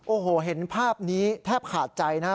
โอ้โหเห็นภาพนี้แทบขาดใจนะครับ